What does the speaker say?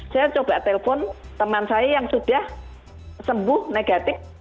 saya coba telpon teman saya yang sudah sembuh negatif